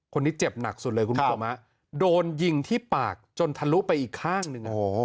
คนนี้เจ็บหนักสุดเลยคุณผู้ชมฮะโดนยิงที่ปากจนทะลุไปอีกข้างหนึ่ง